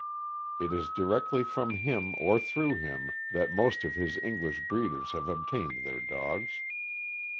It is directly from him, or through him, that most of the English breeders have obtained their dogs.